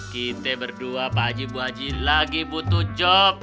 kita berdua pak haji bu aji lagi butuh job